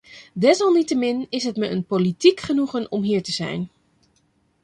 Desalniettemin is het me een politiek genoegen om hier te zijn.